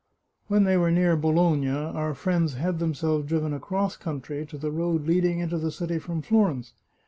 When they were near Bologna, our friends had themselves driven across country, to the road leading into the city from Florence.